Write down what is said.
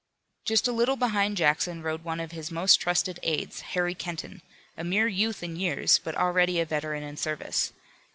Just a little behind Jackson rode one of his most trusted aides, Harry Kenton, a mere youth in years, but already a veteran in service.